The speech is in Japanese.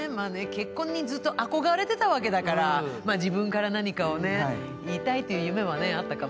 結婚にずっと憧れてたわけだからまあ自分から何かをね言いたいって夢はねあったかもね。